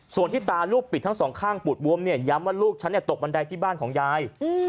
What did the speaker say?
ส่วนที่ตาลูกปิดทั้งสองข้างปูดบวมเนี่ยย้ำว่าลูกฉันตกบันไดที่บ้านของยาย